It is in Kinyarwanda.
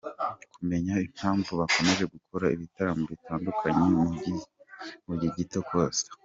kumenya impamvu bakomeje gukora ibitaramo bitandukanye mu gihe gito, Costa.